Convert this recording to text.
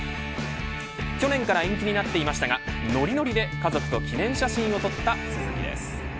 去年から延期になっていましたがのりのりで家族と記念写真を撮った鈴木です。